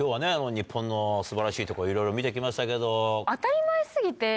日本の素晴らしいとこいろいろ見て来ましたけど。